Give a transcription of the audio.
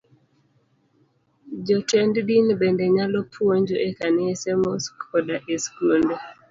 Jotend din bende nyalo puonjo e kanise, mosque koda e skunde